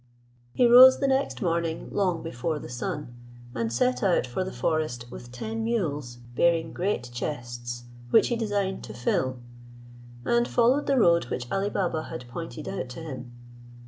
He rose the next morning, long before the sun, and set out for the forest with ten mules bearing great chests, which he designed to fill; and followed the road which Ali Baba had pointed out to him.